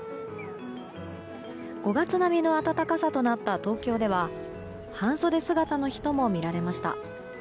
５月並みの暖かさとなった東京では半袖姿の人も見られました。